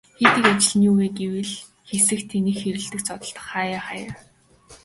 Хийдэг ажил нь юу вэ гэвэл хэсэх, тэнэх хэрэлдэх, зодолдох хааяа хааяа.